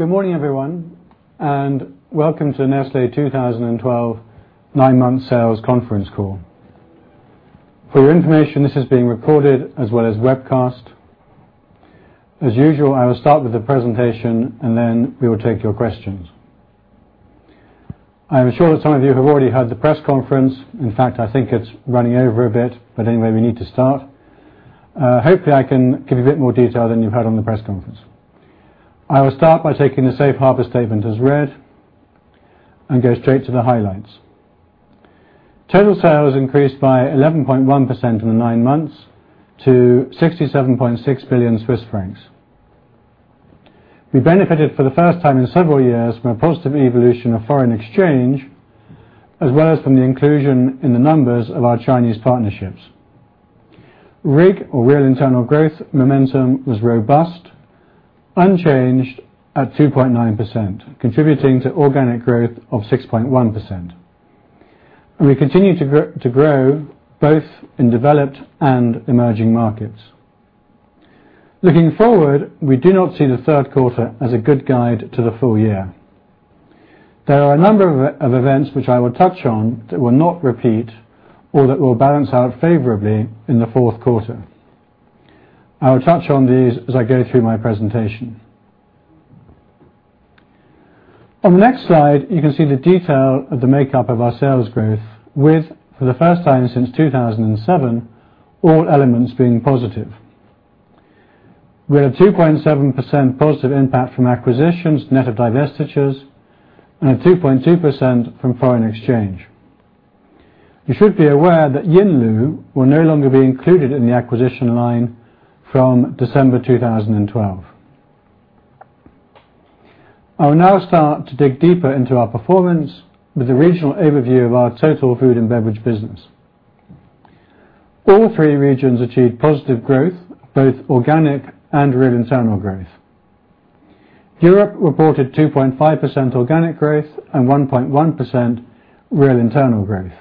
Good morning, everyone, and welcome to Nestlé 2012 nine-month sales conference call. For your information, this is being recorded as well as webcast. As usual, I will start with the presentation. Then we will take your questions. I am sure that some of you have already had the press conference. In fact, I think it's running over a bit, but anyway, we need to start. Hopefully, I can give you a bit more detail than you've had on the press conference. I will start by taking the safe harbor statement as read and go straight to the highlights. Total sales increased by 11.1% in the nine months to 67.6 billion Swiss francs. We benefited for the first time in several years from a positive evolution of foreign exchange, as well as from the inclusion in the numbers of our Chinese partnerships. RIG, or real internal growth, momentum was robust, unchanged at 2.9%, contributing to organic growth of 6.1%. We continue to grow both in developed and emerging markets. Looking forward, we do not see the third quarter as a good guide to the full year. There are a number of events which I will touch on that will not repeat or that will balance out favorably in the fourth quarter. I will touch on these as I go through my presentation. On the next slide, you can see the detail of the makeup of our sales growth with, for the first time since 2007, all elements being positive. We had a 2.7% positive impact from acquisitions, net of divestitures, and a 2.2% from foreign exchange. You should be aware that Yinlu will no longer be included in the acquisition line from December 2012. I will now start to dig deeper into our performance with a regional overview of our total food and beverage business. All three regions achieved positive growth, both organic and real internal growth. Europe reported 2.5% organic growth and 1.1% real internal growth.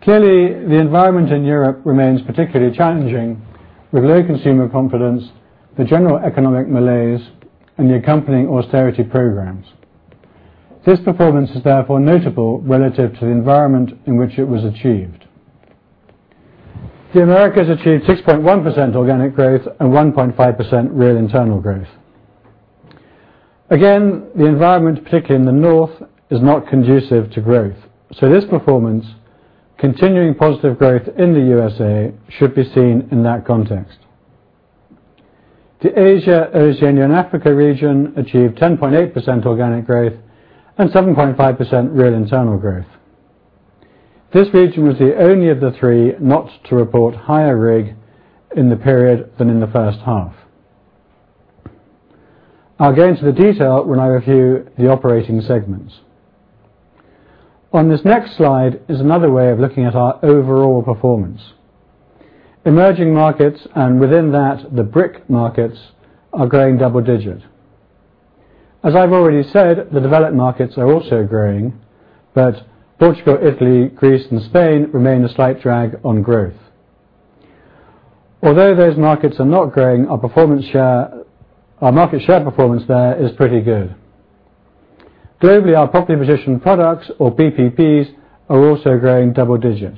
Clearly, the environment in Europe remains particularly challenging with low consumer confidence, the general economic malaise, and the accompanying austerity programs. This performance is therefore notable relative to the environment in which it was achieved. The Americas achieved 6.1% organic growth and 1.5% real internal growth. Again, the environment, particularly in the North, is not conducive to growth. This performance, continuing positive growth in the USA, should be seen in that context. The Asia, Oceania, and Africa Region achieved 10.8% organic growth and 7.5% real internal growth. This region was the only of the three not to report higher RIG in the period than in the first half. I'll go into the detail when I review the operating segments. On this next slide is another way of looking at our overall performance. Emerging markets, and within that, the BRIC markets, are growing double digit. As I've already said, the developed markets are also growing, but Portugal, Italy, Greece, and Spain remain a slight drag on growth. Although those markets are not growing, our market share performance there is pretty good. Globally, our Properly Positioned Products, or PPPs, are also growing double digit.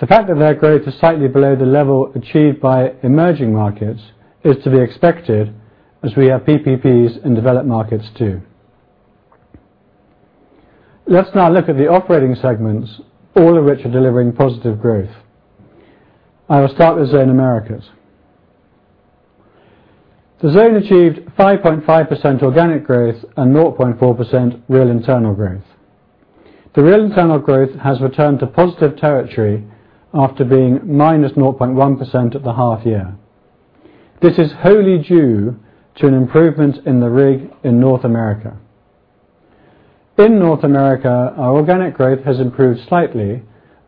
The fact that their growth is slightly below the level achieved by emerging markets is to be expected as we have PPPs in developed markets too. Let's now look at the operating segments, all of which are delivering positive growth. I will start with Zone Americas. The zone achieved 5.5% organic growth and 0.4% real internal growth. The real internal growth has returned to positive territory after being -0.1% at the half year. This is wholly due to an improvement in the RIG in North America. In North America, our organic growth has improved slightly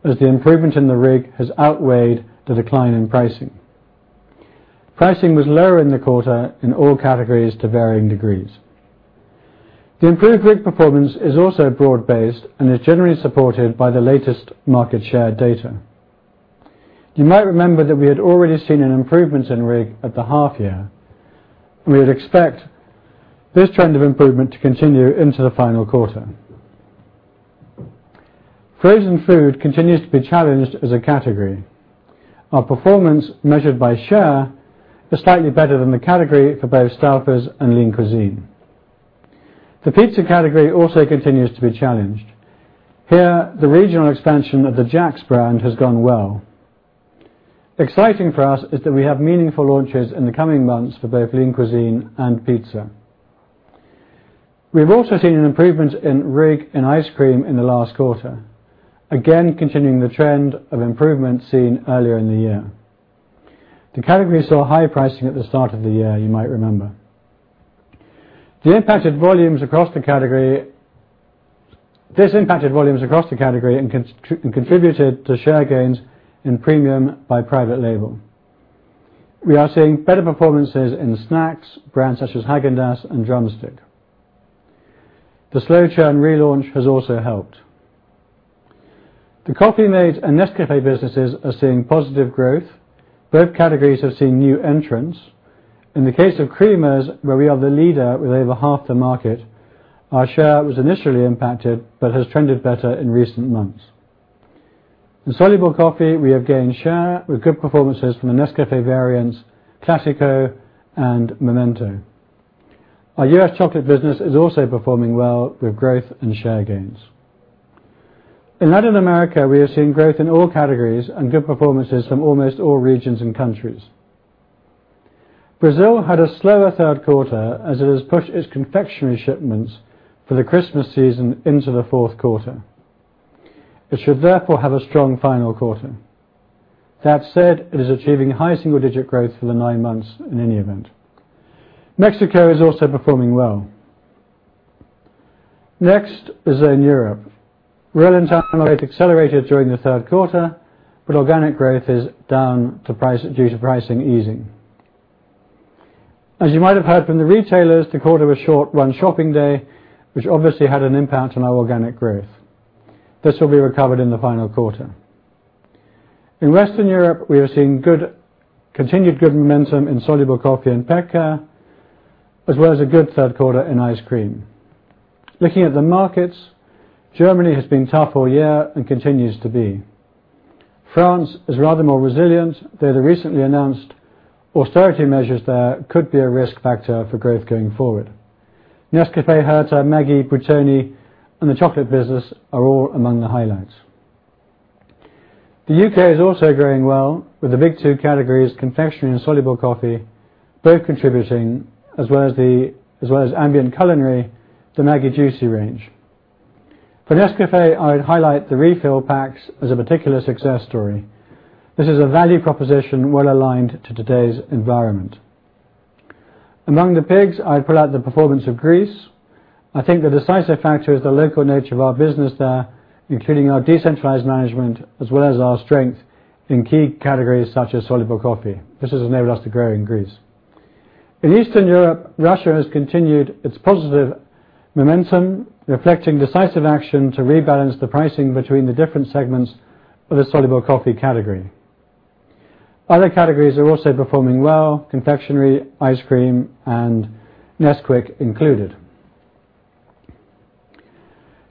as the improvement in the RIG has outweighed the decline in pricing. Pricing was lower in the quarter in all categories to varying degrees. The improved RIG performance is also broad-based and is generally supported by the latest market share data. You might remember that we had already seen an improvement in RIG at the half year. We would expect this trend of improvement to continue into the final quarter. Frozen food continues to be challenged as a category. Our performance measured by share is slightly better than the category for both Stouffer's and Lean Cuisine. The pizza category also continues to be challenged. Here, the regional expansion of the Jack's brand has gone well. Exciting for us is that we have meaningful launches in the coming months for both Lean Cuisine and pizza. We have also seen an improvement in RIG in ice cream in the last quarter, again continuing the trend of improvement seen earlier in the year. The category saw higher pricing at the start of the year, you might remember. This impacted volumes across the category and contributed to share gains in premium by private label. We are seeing better performances in snacks, brands such as Häagen-Dazs and Drumstick. The Slow Churned relaunch has also helped. The Coffee-mate and Nescafé businesses are seeing positive growth. Both categories have seen new entrants. In the case of creamers, where we are the leader with over half the market, our share was initially impacted but has trended better in recent months. In soluble coffee, we have gained share with good performances from the Nescafé variants Clásico and Momento. Our U.S. chocolate business is also performing well with growth and share gains. In Latin America, we are seeing growth in all categories and good performances from almost all regions and countries. Brazil had a slower third quarter as it has pushed its confectionery shipments for the Christmas season into the fourth quarter. It should therefore have a strong final quarter. That said, it is achieving high single-digit growth for the nine months in any event. Mexico is also performing well. Next is in Europe. Real internal rate accelerated during the third quarter, organic growth is down due to pricing easing. As you might have heard from the retailers, the quarter was short one shopping day, which obviously had an impact on our organic growth. This will be recovered in the final quarter. In Western Europe, we are seeing continued good momentum in soluble coffee and pet care, as well as a good third quarter in ice cream. Looking at the markets, Germany has been tough all year and continues to be. France is rather more resilient, though the recently announced austerity measures there could be a risk factor for growth going forward. Nescafé, Maggi, Buitoni, and the chocolate business are all among the highlights. The U.K. is also growing well with the big two categories, confectionery and soluble coffee, both contributing, as well as ambient culinary, the Maggi juicy range. For Nescafé, I'd highlight the refill packs as a particular success story. This is a value proposition well-aligned to today's environment. Among the PIGS, I'd pull out the performance of Greece. I think the decisive factor is the local nature of our business there, including our decentralized management as well as our strength in key categories such as soluble coffee. This has enabled us to grow in Greece. In Eastern Europe, Russia has continued its positive momentum, reflecting decisive action to rebalance the pricing between the different segments of the soluble coffee category. Other categories are also performing well, confectionery, ice cream, and Nesquik included.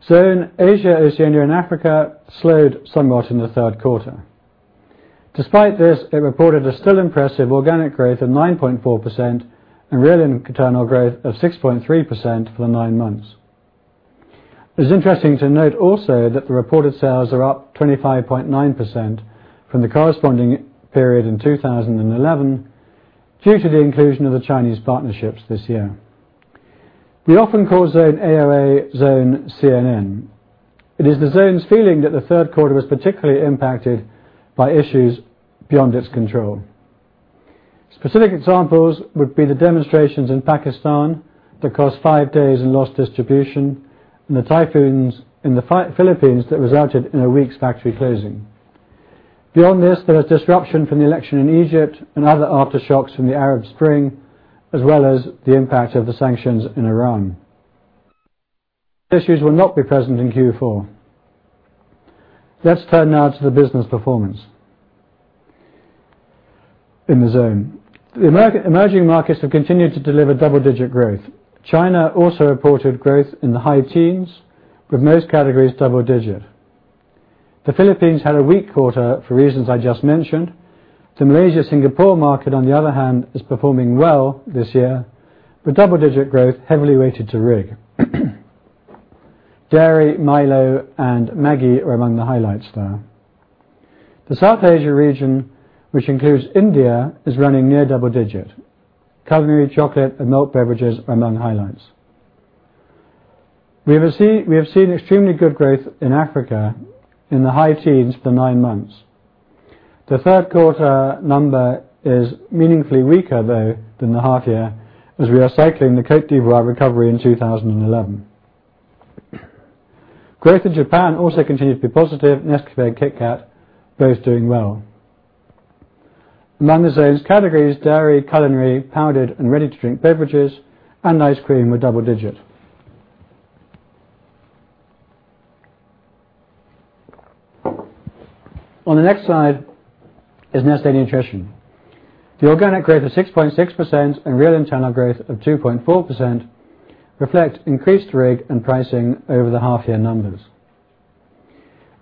Zone Asia, Oceania, and Africa slowed somewhat in the third quarter. Despite this, they reported a still impressive organic growth of 9.4% and real internal growth of 6.3% for the nine months. It's interesting to note also that the reported sales are up 25.9% from the corresponding period in 2011 due to the inclusion of the Chinese partnerships this year. We often call Zone AOA, Zone CNN. It is the zone's feeling that the third quarter was particularly impacted by issues beyond its control. Specific examples would be the demonstrations in Pakistan that caused five days in lost distribution and the typhoons in the Philippines that resulted in a week's factory closing. Beyond this, there was disruption from the election in Egypt and other aftershocks from the Arab Spring, as well as the impact of the sanctions in Iran. Issues will not be present in Q4. Let's turn now to the business performance in the zone. The emerging markets have continued to deliver double-digit growth. China also reported growth in the high teens, with most categories double digit. The Philippines had a weak quarter for reasons I just mentioned. The Malaysia Singapore market, on the other hand, is performing well this year, with double-digit growth heavily weighted to RIG. Dairy, Milo, and Maggi are among the highlights there. The South Asia region, which includes India, is running near double digit. Culinary, chocolate, and milk beverages are among highlights. We have seen extremely good growth in Africa in the high teens for nine months. The third quarter number is meaningfully weaker, though, than the half year as we are cycling the Cote d'Ivoire recovery in 2011. Growth in Japan also continued to be positive. Nescafé and KitKat both doing well. Among the zones, categories, dairy, culinary, powdered, and ready-to-drink beverages, and ice cream were double digit. On the next slide is Nestlé Nutrition. The organic growth of 6.6% and real internal growth of 2.4% reflect increased RIG and pricing over the half year numbers.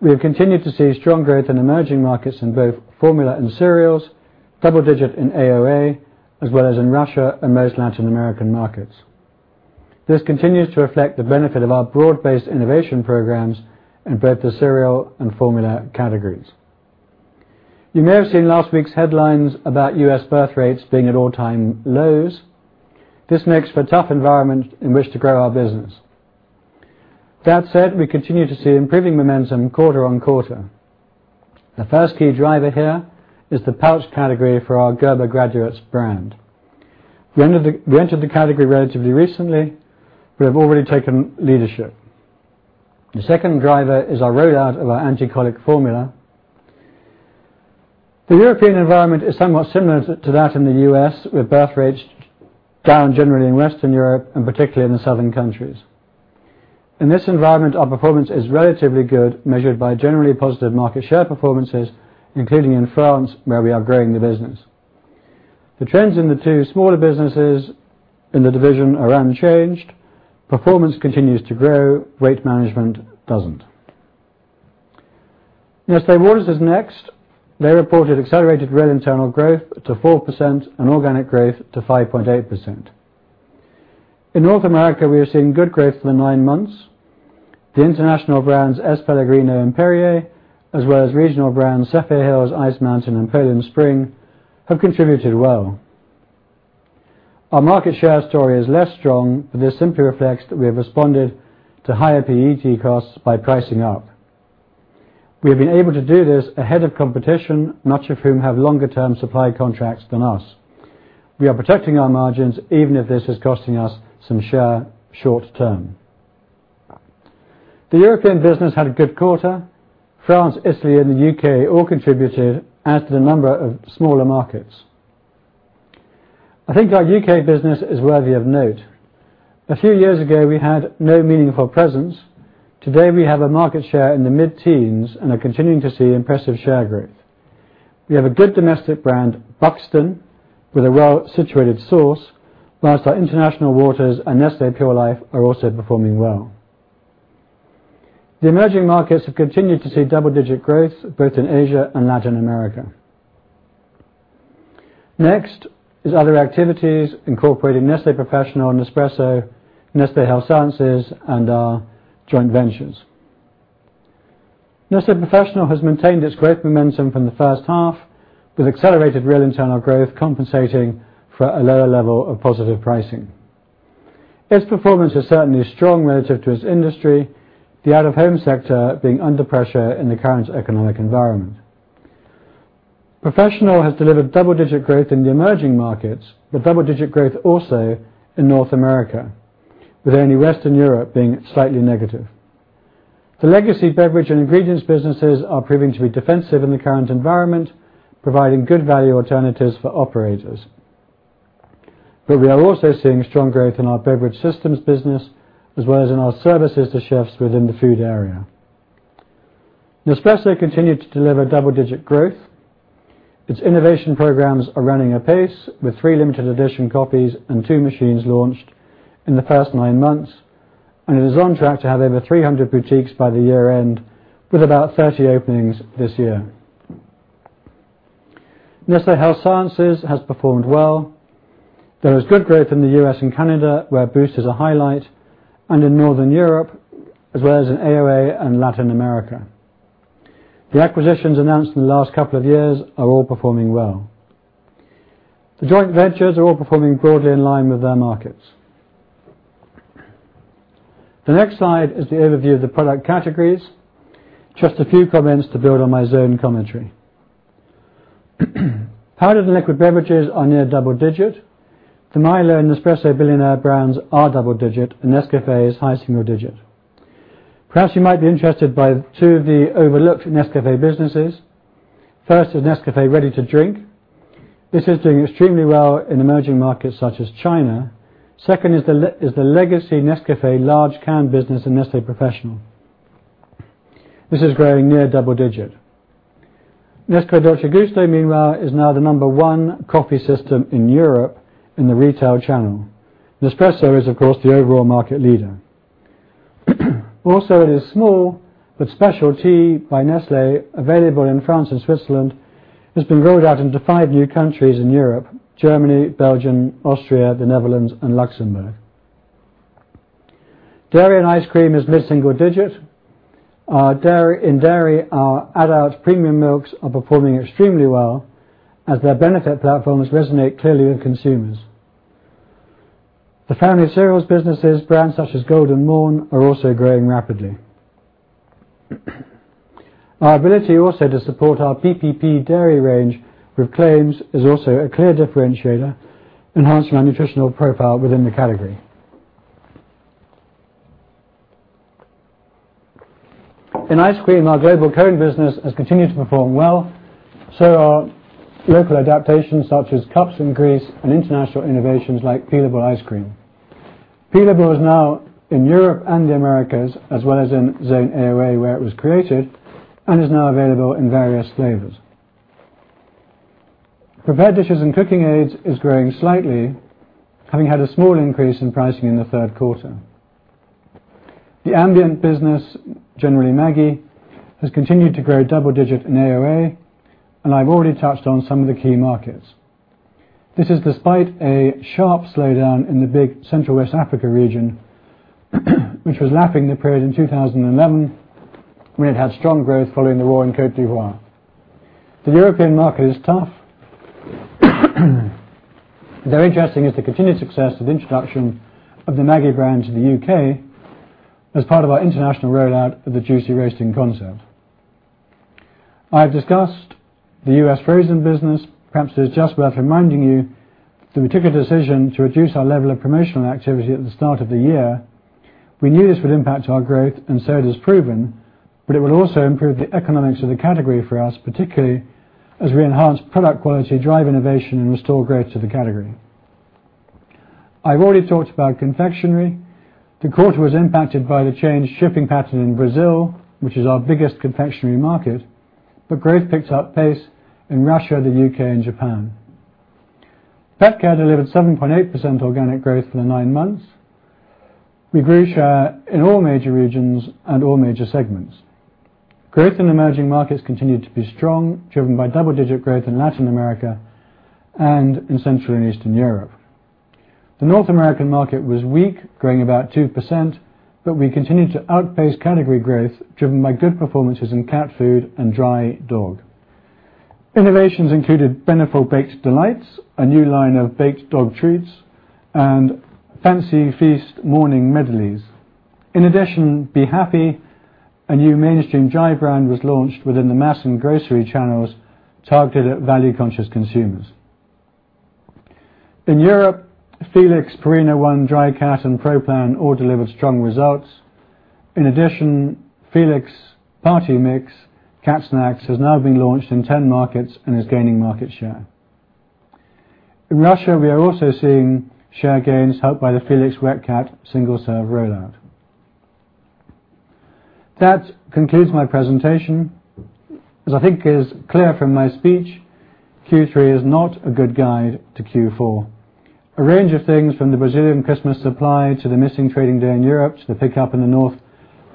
We have continued to see strong growth in emerging markets in both formula and cereals, double-digit in AOA, as well as in Russia and most Latin American markets. This continues to reflect the benefit of our broad-based innovation programs in both the cereal and formula categories. You may have seen last week's headlines about U.S. birth rates being at all-time lows. This makes for a tough environment in which to grow our business. That said, we continue to see improving momentum quarter-on-quarter. The first key driver here is the pouch category for our Gerber Graduates brand. We entered the category relatively recently, but we have already taken leadership. The second driver is our rollout of our anticolic formula. The European environment is somewhat similar to that in the U.S., with birth rates down generally in Western Europe and particularly in the southern countries. In this environment, our performance is relatively good, measured by generally positive market share performances, including in France, where we are growing the business. The trends in the two smaller businesses in the division are unchanged. Performance continues to grow, rate management doesn't. Nestlé Waters is next. They reported accelerated real internal growth to 4% and organic growth to 5.8%. In North America, we are seeing good growth for the nine months. The international brands S.Pellegrino and Perrier, as well as regional brands Zephyrhills, Ice Mountain, and Poland Spring, have contributed well. Our market share story is less strong. This simply reflects that we have responded to higher PET costs by pricing up. We have been able to do this ahead of competition, much of whom have longer term supply contracts than us. We are protecting our margins, even if this is costing us some share short term. The European business had a good quarter. France, Italy, and the U.K. all contributed, as did a number of smaller markets. I think our U.K. business is worthy of note. A few years ago, we had no meaningful presence. Today, we have a market share in the mid-teens and are continuing to see impressive share growth. We have a good domestic brand, Buxton, with a well-situated source, whilst our International Waters and Nestlé Pure Life are also performing well. The emerging markets have continued to see double-digit growth both in Asia and Latin America. Next is other activities incorporating Nestlé Professional and Nespresso, Nestlé Health Science, and our joint ventures. Nestlé Professional has maintained its great momentum from the first half, with accelerated real internal growth compensating for a lower level of positive pricing. Its performance is certainly strong relative to its industry, the out of home sector being under pressure in the current economic environment. Professional has delivered double-digit growth in the emerging markets, with double-digit growth also in North America, with only Western Europe being slightly negative. The legacy beverage and ingredients businesses are proving to be defensive in the current environment, providing good value alternatives for operators. We are also seeing strong growth in our beverage systems business, as well as in our services to chefs within the food area. Nespresso continued to deliver double-digit growth. Its innovation programs are running apace, with three limited edition coffees and two machines launched in the first nine months. It is on track to have over 300 boutiques by the year-end, with about 30 openings this year. Nestlé Health Science has performed well. There is good growth in the U.S. and Canada, where Boost is a highlight, and in Northern Europe, as well as in AOA and Latin America. The acquisitions announced in the last couple of years are all performing well. The joint ventures are all performing broadly in line with their markets. The next slide is the overview of the product categories. Just a few comments to build on my zone commentary. Powdered and liquid beverages are near double digit. The Milo and Nespresso Billionaire brands are double digit, and Nescafé is high single digit. Perhaps you might be interested by two of the overlooked Nescafé businesses. First is Nescafé ready to drink. This is doing extremely well in emerging markets such as China. Second is the legacy Nescafé large can business in Nestlé Professional. This is growing near double-digit. Nescafé Dolce Gusto, meanwhile, is now the number 1 coffee system in Europe in the retail channel. Nespresso is, of course, the overall market leader. Also, it is small, but SPECIAL.T by Nestlé, available in France and Switzerland, has been rolled out into five new countries in Europe: Germany, Belgium, Austria, the Netherlands, and Luxembourg. Dairy and ice cream is mid-single-digit. In dairy, our add out premium milks are performing extremely well as their benefit platforms resonate clearly with consumers. The family cereals businesses, brands such as Golden Morn, are also growing rapidly. Our ability also to support our PPP dairy range with claims is also a clear differentiator, enhancing our nutritional profile within the category. In ice cream, our global current business has continued to perform well. So are local adaptations such as Cups in Greece and international innovations like peelable ice cream. Peelable is now in Europe and the Americas as well as in Zone AOA, where it was created, and is now available in various flavors. Prepared dishes and cooking aids is growing slightly, having had a small increase in pricing in the third quarter. The ambient business, generally Maggi, has continued to grow double-digit in AOA, and I've already touched on some of the key markets. This is despite a sharp slowdown in the big Central West Africa region which was lapping the period in 2011, when it had strong growth following the war in Côte d'Ivoire. The European market is tough. Very interesting is the continued success of the introduction of the Maggi brand to the U.K. as part of our international rollout of the juicy roasting concept. I have discussed the U.S. frozen business. Perhaps it is just worth reminding you that we took a decision to reduce our level of promotional activity at the start of the year. We knew this would impact our growth. It has proven, but it would also improve the economics of the category for us, particularly as we enhance product quality, drive innovation, and restore growth to the category. I've already talked about confectionery. The quarter was impacted by the changed shipping pattern in Brazil, which is our biggest confectionery market. Growth picked up pace in Russia, the U.K., and Japan. Petcare delivered 7.8% organic growth in the nine months. We grew share in all major regions and all major segments. Growth in emerging markets continued to be strong, driven by double-digit growth in Latin America and in Central and Eastern Europe. The North American market was weak, growing about 2%. We continued to outpace category growth, driven by good performances in cat food and dry dog. Innovations included Beneful Baked Delights, a new line of baked dog treats, and Fancy Feast Medleys. In addition, Be Happy, a new mainstream dry brand, was launched within the mass and grocery channels targeted at value-conscious consumers. In Europe, Felix, Purina ONE dry cat, and Pro Plan all delivered strong results. In addition, Felix Party Mix cat snacks has now been launched in 10 markets and is gaining market share. In Russia, we are also seeing share gains helped by the Felix wet cat single-serve rollout. That concludes my presentation. As I think is clear from my speech, Q3 is not a good guide to Q4. A range of things, from the Brazilian Christmas supply to the missing trading day in Europe, to the pickup in the North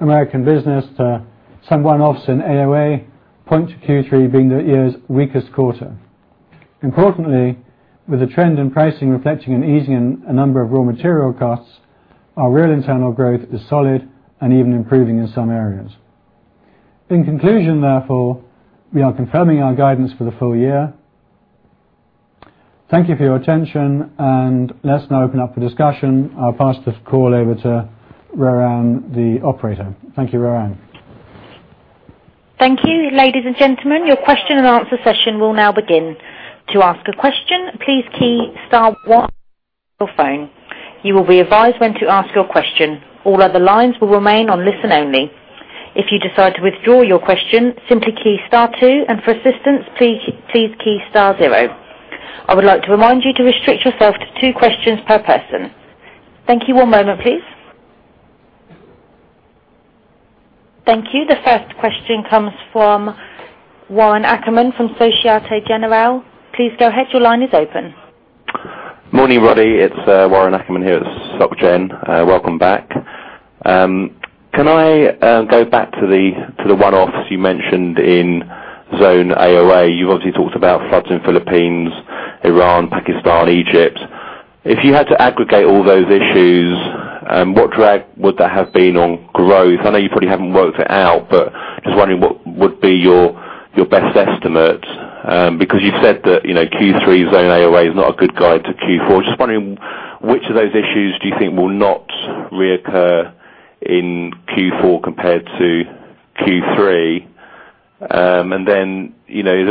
American business, to some one-offs in AoA, point to Q3 being the year's weakest quarter. Importantly, with the trend in pricing reflecting and easing in a number of raw material costs, our real internal growth is solid and even improving in some areas. In conclusion, therefore, we are confirming our guidance for the full year. Thank you for your attention, and let's now open up the discussion. I'll pass this call over to Roran, the operator. Thank you, Roran. Thank you. Ladies and gentlemen, your question and answer session will now begin. To ask a question, please key star one on your phone. You will be advised when to ask your question. All other lines will remain on listen only. If you decide to withdraw your question, simply key star two, and for assistance, please key star zero. I would like to remind you to restrict yourself to two questions per person. Thank you. One moment, please. Thank you. The first question comes from Warren Ackerman from Société Générale. Please go ahead. Your line is open. Morning, Roddy. It's Warren Ackerman here at Soc Gen. Welcome back. Can I go back to the one-offs you mentioned in zone AoA? You've obviously talked about floods in Philippines, Iran, Pakistan, Egypt. If you had to aggregate all those issues, what drag would that have been on growth? I know you probably haven't worked it out, but just wondering what would be your best estimate. Because you said that, Q3 zone AoA is not a good guide to Q4. Is there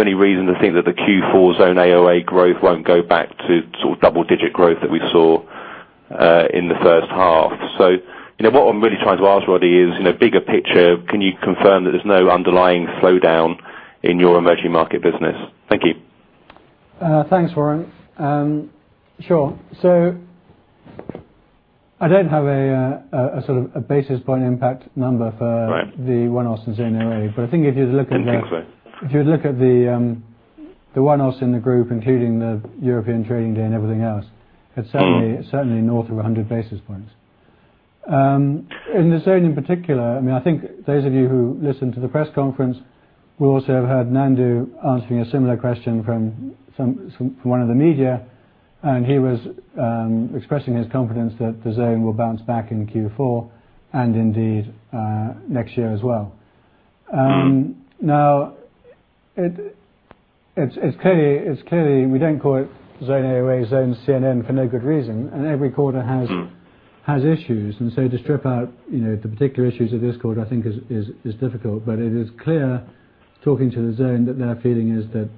any reason to think that the Q4 zone AoA growth won't go back to double-digit growth that we saw in the first half? What I'm really trying to ask, Roddy, is in a bigger picture, can you confirm that there's no underlying slowdown in your emerging market business? Thank you. Thanks, Warren. Sure. I don't have a basis point impact number for- Right the one-offs in Zone AOA. I think if you look at the- Didn't think so if you look at the one-offs in the group, including the European trading day and everything else, it's certainly north of 100 basis points. In the zone in particular, I think those of you who listened to the press conference will also have heard Nandu answering a similar question from one of the media, and he was expressing his confidence that the zone will bounce back in Q4 and indeed, next year as well. It's clearly we don't call it Zone AOA, Zone CNN for no good reason, every quarter has issues. To strip out the particular issues of this quarter, I think is difficult. It is clear, talking to the zone, that their feeling is that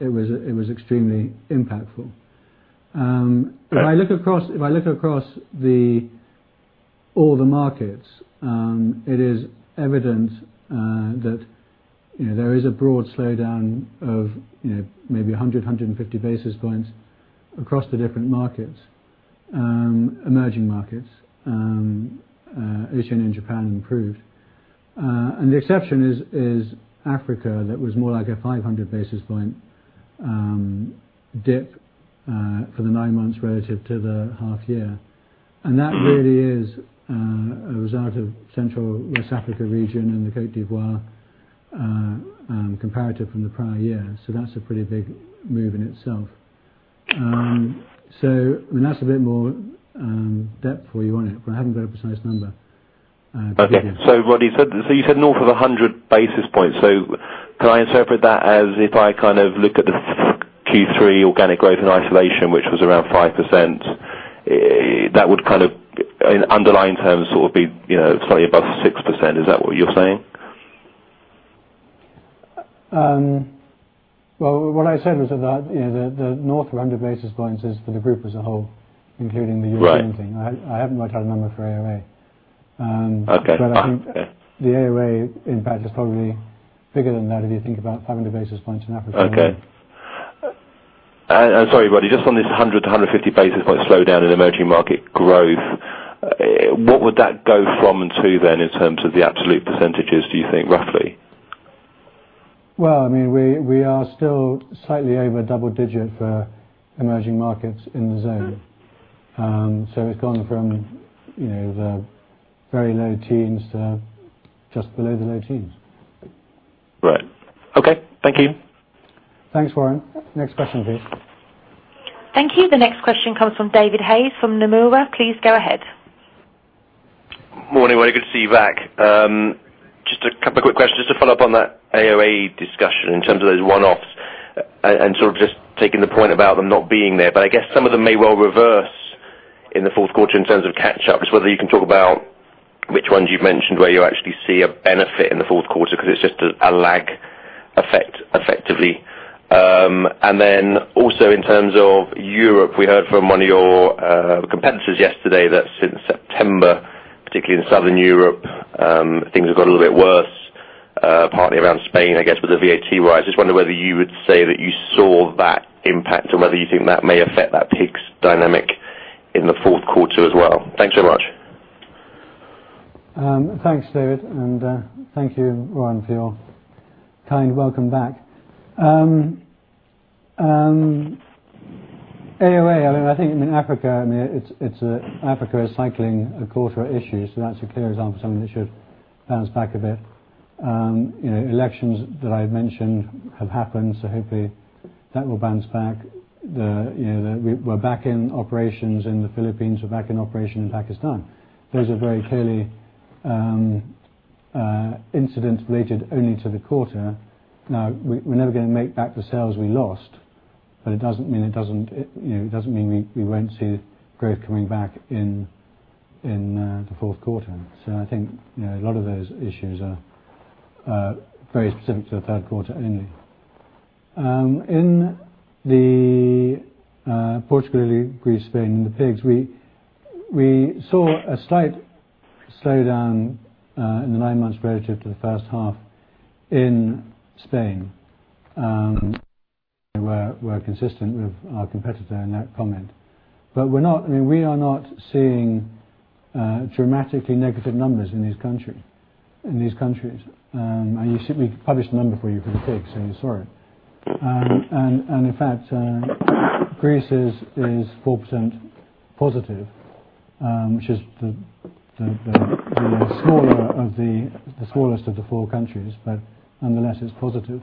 it was extremely impactful. Right. If I look across all the markets, it is evident that there is a broad slowdown of maybe 100, 150 basis points across the different markets, emerging markets. Asian and Japan improved. The exception is Africa, that was more like a 500 basis point dip for the nine months relative to the half year. That really is a result of Central West Africa region and the Côte d'Ivoire comparative from the prior year. That's a pretty big move in itself. That's a bit more depth where you want it, but I haven't got a precise number. Okay. Roddy, you said north of 100 basis points. Can I interpret that as if I look at the Q3 organic growth in isolation, which was around 5%, that would, in underlying terms, be slightly above 6%? Is that what you're saying? Well, what I said was that the north of 100 basis points is for the group as a whole. Right European thing. I haven't worked out a number for AOA. Okay. I think the AOA impact is probably bigger than that if you think about 700 basis points in Africa. Okay. Sorry, Roddy, just on this 100-150 basis point slowdown in emerging market growth, what would that go from and to then in terms of the absolute %, do you think, roughly? We are still slightly over double-digit for emerging markets in the zone. It's gone from the very low teens to just below the low teens. Right. Okay. Thank you. Thanks, Warren. Next question please. Thank you. The next question comes from David Hayes from Nomura. Please go ahead. Morning. Very good to see you back. Just a couple of quick questions to follow up on that AOA discussion in terms of those one-offs, and just taking the point about them not being there. I guess some of them may well reverse in the fourth quarter in terms of catch-up. Just whether you can talk about which ones you've mentioned, where you actually see a benefit in the fourth quarter because it's just a lag effect effectively. Also in terms of Europe, we heard from one of your competitors yesterday that since September, particularly in Southern Europe, things have got a little bit worse, partly around Spain, I guess, with the VAT rise. Just wonder whether you would say that you saw that impact or whether you think that may affect that PIGS dynamic in the fourth quarter as well. Thanks so much. Thanks, David, and thank you, Warren, for your kind welcome back. AOA, I think in Africa is cycling a quarter issue, so that's a clear example of something that should bounce back a bit. Elections that I've mentioned have happened, hopefully that will bounce back. We're back in operations in the Philippines. We're back in operation in Pakistan. Those are very clearly incidents related only to the quarter. Now, we're never going to make back the sales we lost, but it doesn't mean we won't see growth coming back in the fourth quarter. I think a lot of those issues are very specific to the third quarter only. In the particularly Greece, Spain, the PIGS, we saw a slight slowdown in the nine months relative to the first half in Spain. We're consistent with our competitor in that comment. We are not seeing dramatically negative numbers in these countries. We published a number for you for the PIGS, so you saw it. In fact, Greece is 4% positive, which is the smallest of the four countries, but nonetheless, it's positive.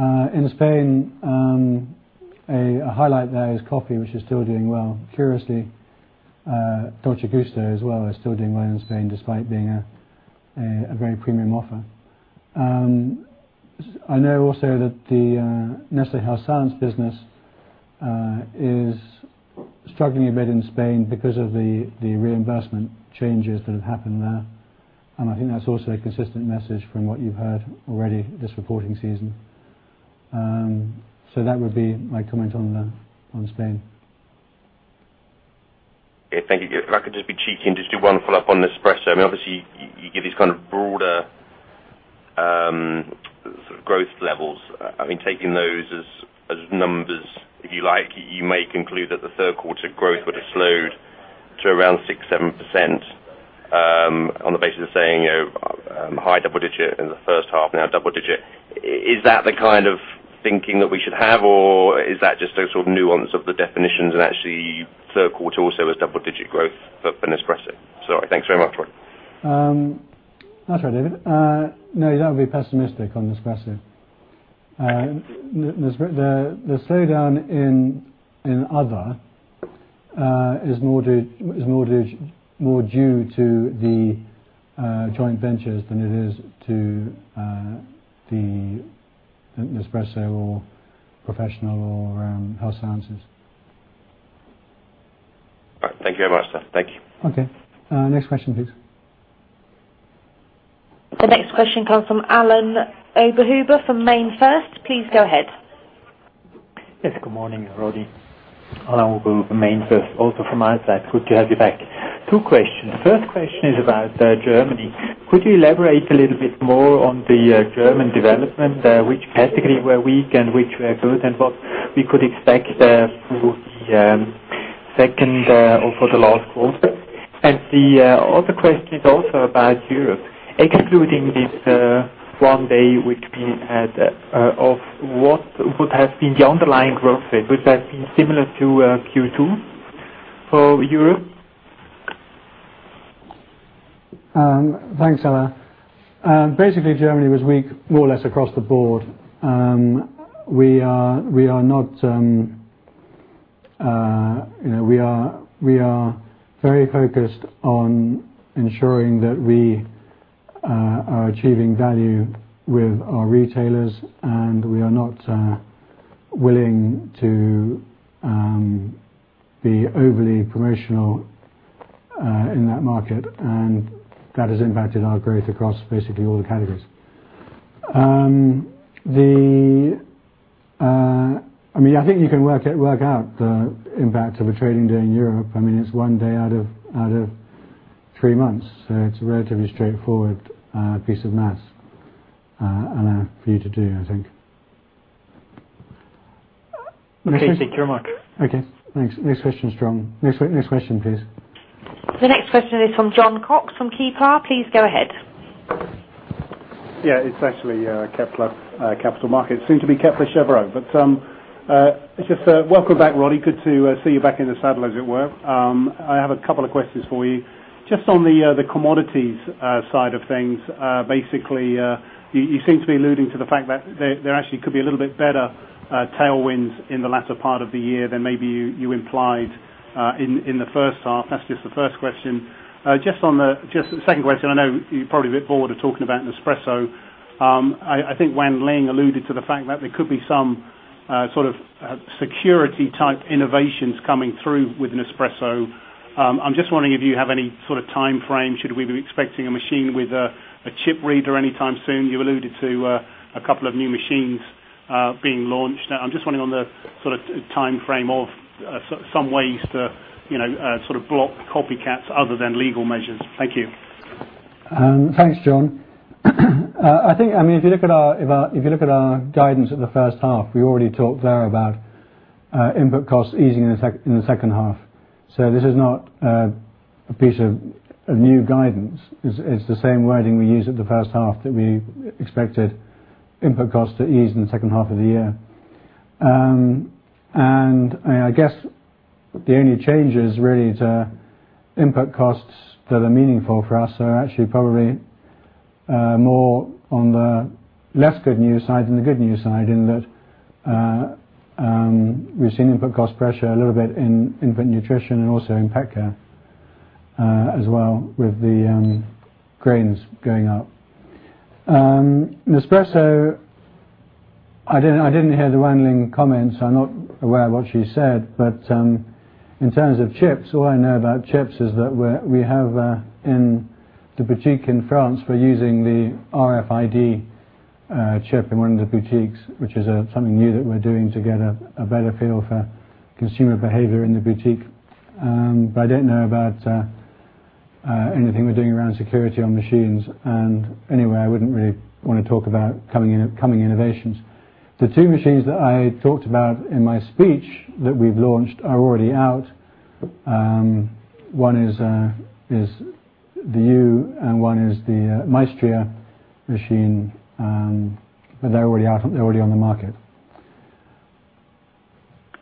In Spain, a highlight there is coffee, which is still doing well. Curiously, Dolce Gusto as well is still doing well in Spain despite being a very premium offer. I know also that the Nestlé Health Science business is struggling a bit in Spain because of the reinbursement changes that have happened there, and I think that's also a consistent message from what you've heard already this reporting season. That would be my comment on Spain. Okay, thank you. If I could just be cheeky and just do one follow-up on Nespresso. Obviously, you give these kind of broader sort of growth levels. Taking those as numbers, if you like, you may conclude that the third quarter growth would have slowed to around 6%-7% on the basis of saying high double digit in the first half, now double digit. Is that the kind of thinking that we should have, or is that just a sort of nuance of the definitions and actually third quarter also is double digit growth for Nespresso? Sorry. Thanks very much, Rod. That's all right, David. No, you don't be pessimistic on Nespresso. The slowdown in other is more due to the joint ventures than it is to the Nespresso or Professional or Health Science. Right. Thank you very much, sir. Thank you. Okay. Next question, please. The next question comes from Alain Oberhuber from MainFirst. Please go ahead. Yes, good morning, Roddy. Alain Oberhuber, MainFirst, also from outside. Good to have you back. Two questions. First question is about Germany. Could you elaborate a little bit more on the German development, which category were weak and which were good, and what we could expect through the second or for the last quarter? The other question is also about Europe. Excluding this one day which we had, of what would have been the underlying growth rate, would have been similar to Q2 for Europe? Thanks, Alain. Basically, Germany was weak more or less across the board. We are very focused on ensuring that we are achieving value with our retailers, and we are not willing to be overly promotional in that market, and that has impacted our growth across basically all the categories. I think you can work out the impact of a trading day in Europe. It's one day out of three months, so it's a relatively straightforward piece of math, Anna, for you to do, I think. Okay. Thank you very much. Okay, thanks. Next question, please. The next question is from Jon Cox from Kepler. Please go ahead. Yeah. It's actually Kepler Capital Markets, soon to be Kepler Cheuvreux. Welcome back, Roddy. Good to see you back in the saddle, as it were. I have a couple of questions for you. Just on the commodities side of things. Basically, you seem to be alluding to the fact that there actually could be a little bit better tailwinds in the latter part of the year than maybe you implied in the first half. That's just the first question. Just the second question, I know you're probably a bit bored of talking about Nespresso. I think Wan Ling alluded to the fact that there could be some sort of security type innovations coming through with Nespresso. I'm just wondering if you have any sort of timeframe. Should we be expecting a machine with a chip reader anytime soon? You alluded to a couple of new machines being launched. I'm just wondering on the sort of timeframe of some ways to sort of block copycats other than legal measures. Thank you. Thanks, Jon. If you look at our guidance at the first half, we already talked there about input costs easing in the second half. This is not a piece of new guidance. It's the same wording we used at the first half that we expected input costs to ease in the second half of the year. I guess the only changes, really, to input costs that are meaningful for us are actually probably more on the less good news side than the good news side, in that we've seen input cost pressure a little bit in infant nutrition and also in pet care as well, with the grains going up. Nespresso, I didn't hear the Wan Ling comments. I'm not aware of what she said, in terms of chips, all I know about chips is that we have in the boutique in France, we're using the RFID chip in one of the boutiques, which is something new that we're doing to get a better feel for consumer behavior in the boutique. I don't know about anything we're doing around security on machines. Anyway, I wouldn't really want to talk about coming innovations. The two machines that I talked about in my speech that we've launched are already out. One is the U and one is the Maestria machine, they're already out. They're already on the market.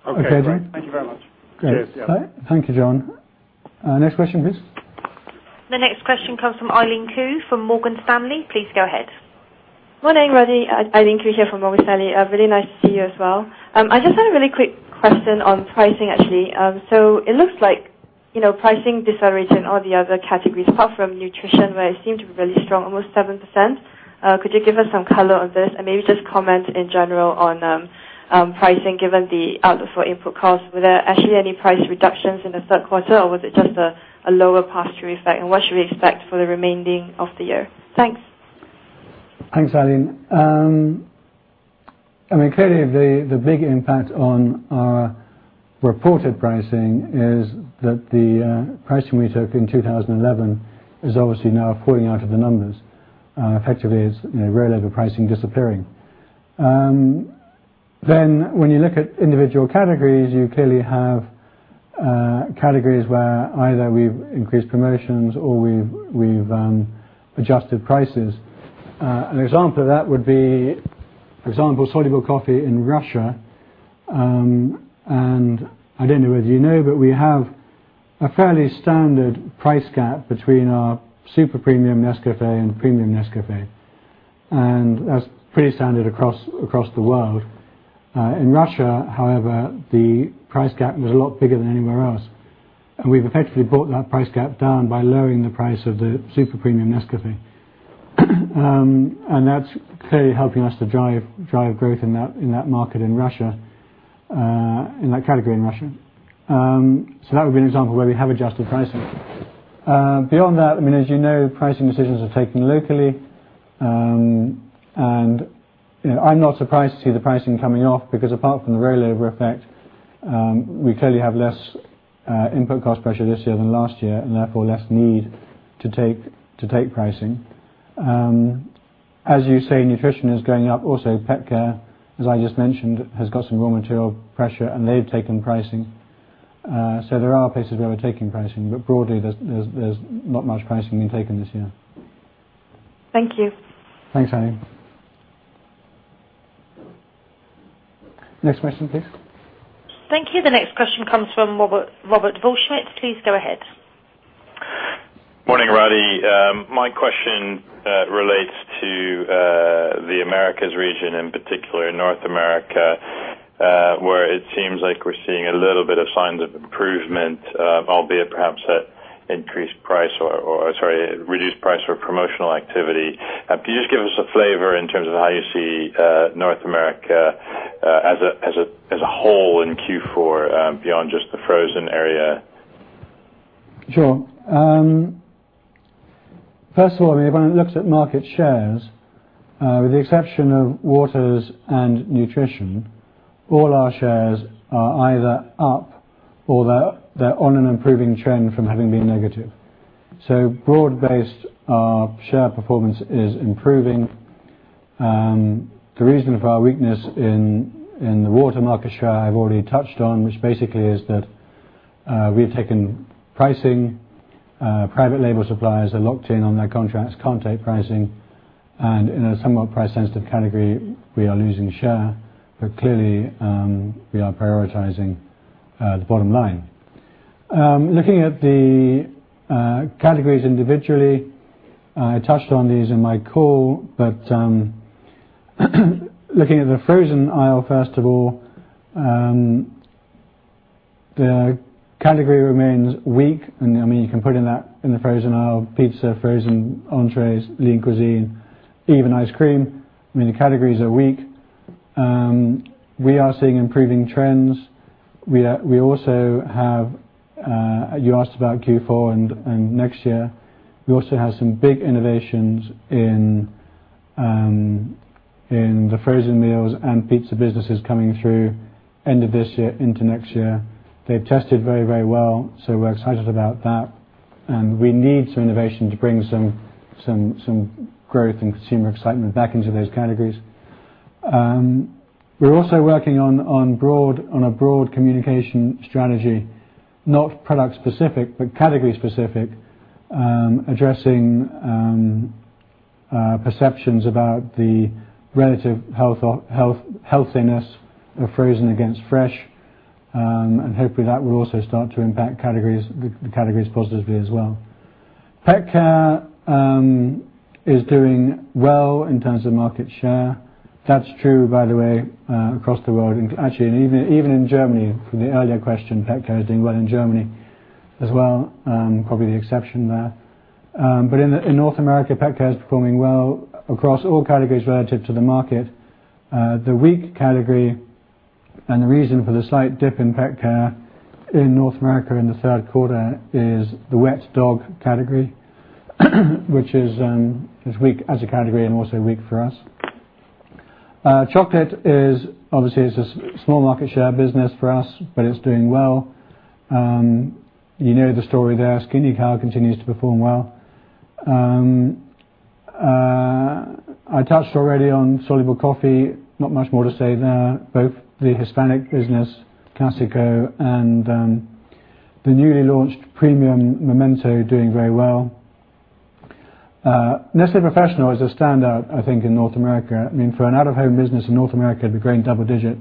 Okay, Jon? Okay, great. Thank you very much. Cheers. Yeah. Great. Thank you, Jon. Next question, please. The next question comes from Eileen Khoo from Morgan Stanley. Please go ahead. Morning, Roddy. Eileen Khoo here from Morgan Stanley. Really nice to see you as well. I just had a really quick question on pricing, actually. It looks like pricing decelerated in all the other categories apart from nutrition, where it seemed to be really strong, almost 7%. Could you give us some color on this? Maybe just comment in general on pricing given the outlook for input costs. Were there actually any price reductions in the third quarter, or was it just a lower pass-through effect? What should we expect for the remaining of the year? Thanks. Thanks, Eileen. Clearly, the big impact on our reported pricing is that the pricing we took in 2011 is obviously now falling out of the numbers. Effectively, it's roll over pricing disappearing. When you look at individual categories, you clearly have categories where either we've increased promotions or we've adjusted prices. An example of that would be, for example, soluble coffee in Russia. I don't know whether you know, but we have a fairly standard price gap between our super premium Nescafé and premium Nescafé, and that's pretty standard across the world. In Russia, however, the price gap was a lot bigger than anywhere else, and we've effectively brought that price gap down by lowering the price of the super premium Nescafé. That's clearly helping us to drive growth in that market in Russia, in that category in Russia. That would be an example where we have adjusted pricing. Beyond that, as you know, pricing decisions are taken locally. I'm not surprised to see the pricing coming off because apart from the roll over effect, we clearly have less input cost pressure this year than last year and therefore less need to take pricing. As you say, Nutrition is going up. Also, pet care, as I just mentioned, has got some raw material pressure and they've taken pricing. There are places where we're taking pricing, but broadly, there's not much pricing being taken this year. Thank you. Thanks, Eileen. Next question, please. Thank you. The next question comes from Robert Waldschmidt. Please go ahead. Morning, Roddy. My question relates to the Americas Region, in particular in North America, where it seems like we're seeing a little bit of signs of improvement, albeit perhaps at increased price or promotional activity. Can you just give us a flavor in terms of how you see North America as a whole in Q4, beyond just the frozen area? Sure. First of all, I mean, if one looks at market shares, with the exception of Waters and Nutrition, all our shares are either up or they're on an improving trend from having been negative. Broad-based, our share performance is improving. The reason for our weakness in the Water market share I've already touched on, which basically is that we have taken pricing, private label suppliers are locked in on their contracts, can't take pricing, and in a somewhat price-sensitive category, we are losing share. Clearly, we are prioritizing the bottom line. Looking at the categories individually, I touched on these in my call. Looking at the frozen aisle, first of all, the category remains weak, and you can put in that, in the frozen aisle, pizza, frozen entrées, Lean Cuisine, even ice cream. The categories are weak. We are seeing improving trends. You asked about Q4 and next year. We also have some big innovations in the frozen meals and pizza businesses coming through end of this year into next year. They've tested very well, we're excited about that. We need some innovation to bring some growth and consumer excitement back into those categories. We're also working on a broad communication strategy, not product specific, but category specific, addressing perceptions about the relative healthiness of frozen against fresh. Hopefully, that will also start to impact the categories positively as well. Pet care is doing well in terms of market share. That's true, by the way, across the world, and actually, even in Germany. From the earlier question, pet care is doing well in Germany as well. Probably the exception there. In North America, pet care is performing well across all categories relative to the market. The weak category and the reason for the slight dip in pet care in North America in the third quarter is the wet dog category, which is weak as a category and also weak for us. Chocolate obviously is a small market share business for us, but it's doing well. You know the story there. Skinny Cow continues to perform well. I touched already on soluble coffee. Not much more to say there. Both the Hispanic business, Clásico, and the newly launched premium, Momento, are doing very well. Nestlé Professional is a standout, I think, in North America. For an out-of-home business in North America to be growing double digit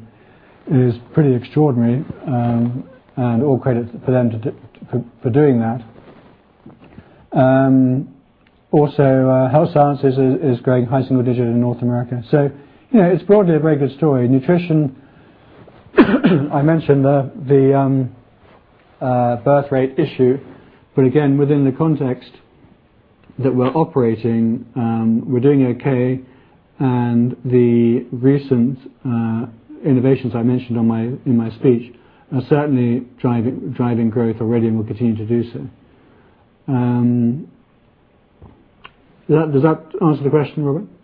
is pretty extraordinary, and all credit for them for doing that. Also, Nestlé Health Science is growing high single digit in North America. It's broadly a very good story. Nestlé Nutrition, I mentioned the birth rate issue, but again, within the context that we're operating, we're doing okay, and the recent innovations I mentioned in my speech are certainly driving growth already and will continue to do so. Does that answer the question, Robert? Yes.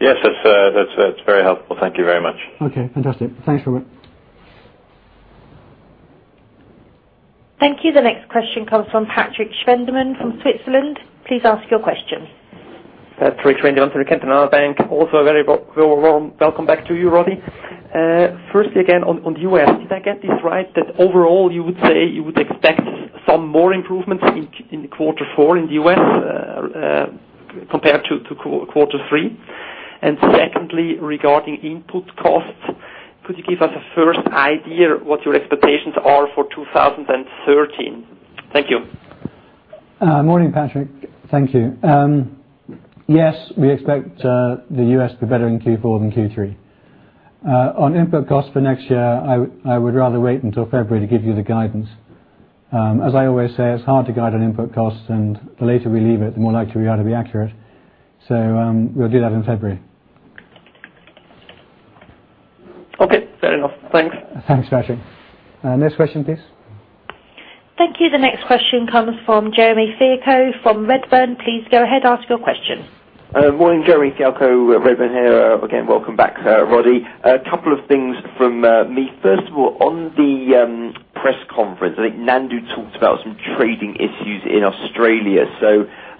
That's very helpful. Thank you very much. Fantastic. Thanks, Robert. Thank you. The next question comes from Patrik Schwendimann from Switzerland. Please ask your question. Patrik Schwendimann from the Cantonal Bank. Also, a very warm welcome back to you, Roddy. Firstly, again, on the U.S., did I get this right that overall you would say you would expect some more improvements in quarter four in the U.S. compared to quarter three? Secondly, regarding input costs, could you give us a first idea what your expectations are for 2013? Thank you. Morning, Patrik. Thank you. Yes, we expect the U.S. to be better in Q4 than Q3. On input cost for next year, I would rather wait until February to give you the guidance. The later we leave it, the more likely we are to be accurate. We'll do that in February. Okay, fair enough. Thanks. Thanks, Patrik. Next question, please. Thank you. The next question comes from Jeremy Fialko from Redburn. Please go ahead, ask your question. Morning. Jeremy Fialko, Redburn here. Again, welcome back, Roddy. A couple of things from me. First of all, on the press conference, I think Nandu talked about some trading issues in Australia.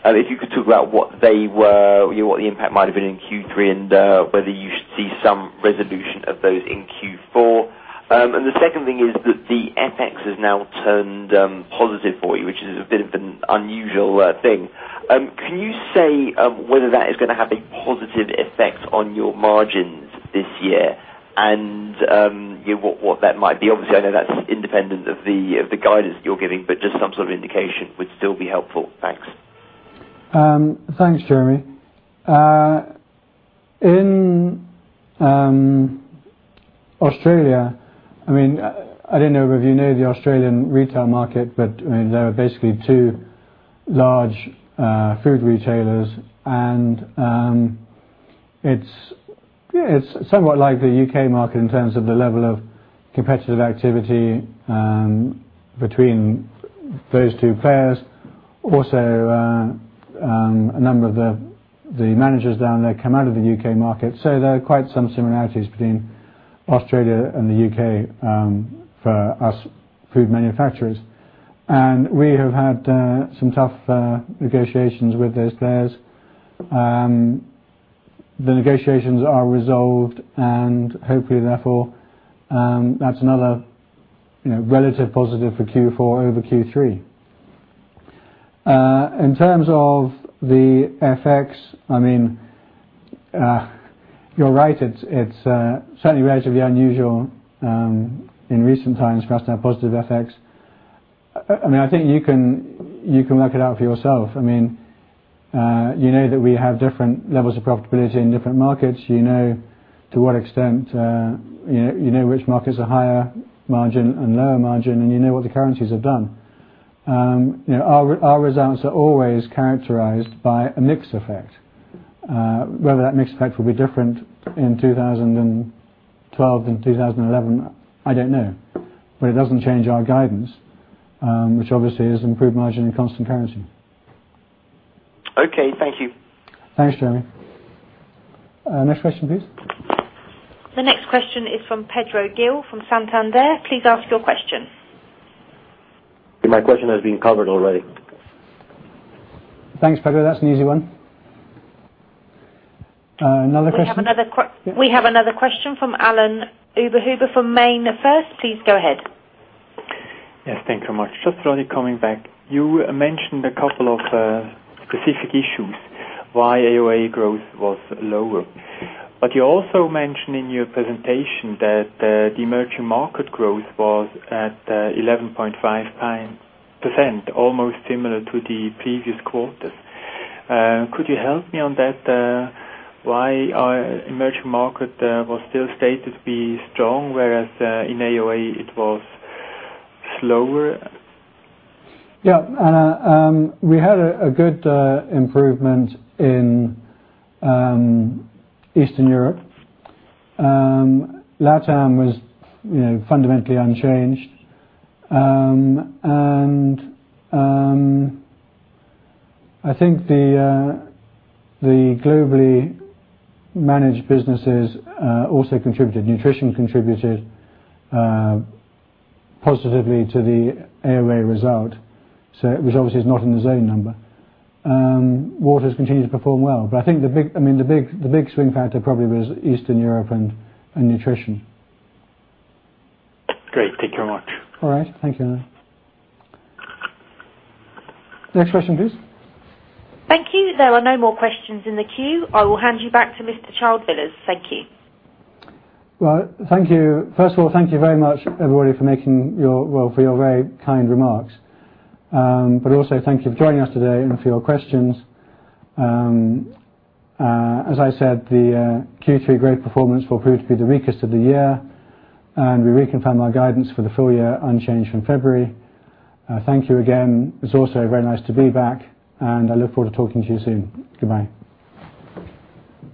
If you could talk about what they were, what the impact might have been in Q3, and whether you should see some resolution of those in Q4. The second thing is that the FX has now turned positive for you, which is a bit of an unusual thing. Can you say whether that is going to have a positive effect on your margins this year and what that might be? Obviously, I know that's independent of the guidance that you're giving, but just some sort of indication would still be helpful. Thanks. Thanks, Jeremy. Australia, I don't know if you know the Australian retail market, but there are basically two large food retailers. It's somewhat like the U.K. market in terms of the level of competitive activity between those two players. Also, a number of the managers down there come out of the U.K. market. There are quite some similarities between Australia and the U.K. for us food manufacturers. We have had some tough negotiations with those players. The negotiations are resolved and hopefully therefore, that's another relative positive for Q4 over Q3. In terms of the FX, you're right. It's certainly relatively unusual in recent times for us to have positive FX. I think you can work it out for yourself. You know that we have different levels of profitability in different markets. You know to what extent, you know which markets are higher margin and lower margin, and you know what the currencies have done. Our results are always characterized by a mix effect. Whether that mix effect will be different in 2012 than 2011, I don't know. It doesn't change our guidance, which obviously is improved margin and constant currency. Okay, thank you. Thanks, Jeremy. Next question, please. The next question is from Pedro Gil from Santander. Please ask your question. My question has been covered already. Thanks, Pedro. That's an easy one. Another question? We have another question from Alain Oberhuber from MainFirst. Please go ahead. Yes, thanks so much. Just really coming back. You mentioned a couple of specific issues why AOA growth was lower. You also mentioned in your presentation that the emerging market growth was at 11.5%, almost similar to the previous quarter. Could you help me on that? Why emerging market was still stated to be strong, whereas in AOA it was slower? Yeah. We had a good improvement in Eastern Europe. LatAm was fundamentally unchanged. I think the globally managed businesses also contributed. Nutrition contributed positively to the AOA result. It was obviously is not in the zone number. Waters continued to perform well, I think the big swing factor probably was Eastern Europe and nutrition. Great. Thank you very much. All right. Thank you. Next question, please. Thank you. There are no more questions in the queue. I will hand you back to Mr. Child-Villers. Thank you. Well, thank you. First of all, thank you very much, everybody, for your very kind remarks. Also thank you for joining us today and for your questions. As I said, the Q3 great performance for food to be the weakest of the year, and we reconfirm our guidance for the full year unchanged from February. Thank you again. It's also very nice to be back, and I look forward to talking to you soon. Goodbye.